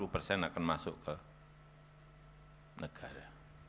dua puluh persen akan masuk ke negara